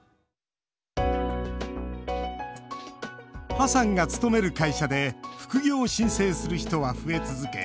河さんが勤める会社で副業を申請する人は増え続け